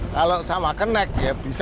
kalau sama kenek ya bisa lima ratus empat ratus